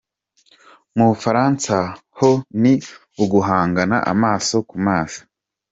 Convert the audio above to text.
Mu Bufaransa ho, ni uguhangana amaso ku maso.